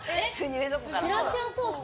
シラチャーソース？